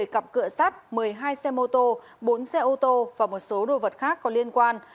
bảy cặp cửa sắt một mươi hai xe mô tô bốn xe ô tô và một số đồ vật khác có liên quan